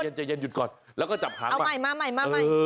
พอใจเย็นหยุดก่อนแล้วก็จับหางมาเอาใหม่